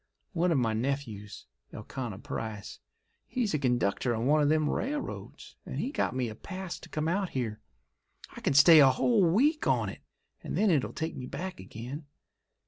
One of my nephews, Elkanah Price, he's a conductor on one of them railroads and he got me a pass to come out here. I can stay a whole week on it, and then it'll take me back again.